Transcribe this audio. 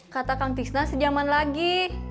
kata kang tiksna sejaman lagi